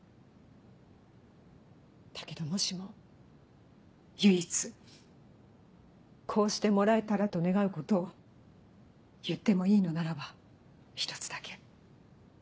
だけどもしも唯一こうしてもらえたらと願うことを言ってもいいのならば一つだけ。